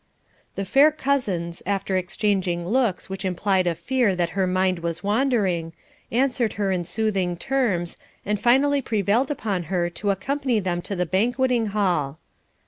The fair cousins, after exchanging looks which implied a fear that her mind was wandering, answered her in soothing terms, and finally prevailed upon her to accompany them to the banqueting hall.